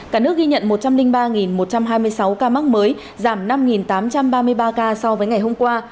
cả nước ghi nhận một trăm linh ba một trăm hai mươi sáu ca mắc mới giảm năm tám trăm ba mươi ba ca so với ngày hôm qua